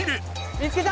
見つけた！